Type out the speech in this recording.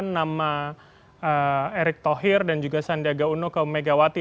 nama erick thohir dan juga sandiaga uno ke megawati